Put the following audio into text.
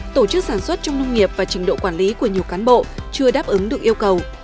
tổ chức sản xuất trong nông nghiệp và trình độ quản lý của nhiều cán bộ chưa đáp ứng được yêu cầu